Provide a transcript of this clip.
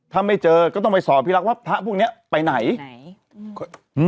ถ้าไม่เจอก็ต้องไปสอนพี่รักว่าพระพวกเนี้ยไปไหนไหนอืม